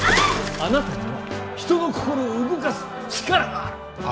あなたには人の心を動かす力がある！